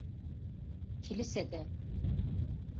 Kilisede…